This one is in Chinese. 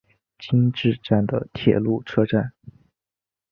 今治站的铁路车站。